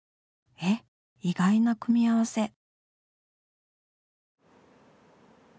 え意外な組み合わせ！